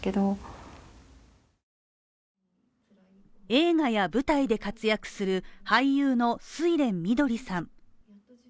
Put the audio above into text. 映画や舞台で活躍する俳優の睡蓮みどりさん